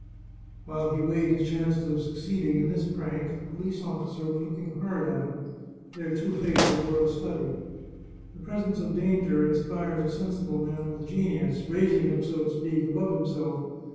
While he weighed his chances of succeeding in this prank, the police officer was looking hard at him ; their two faces were a study. The presence of danger inspires a sensible man with genius, raising him, so to speak, above himself.